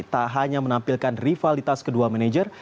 tak hanya menampilkan rivalitas kedua manajer